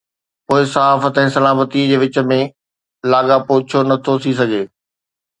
پوءِ صحافت ۽ سلامتي جي وچ ۾ لاڳاپو ڇو نٿو ٿي سگهي؟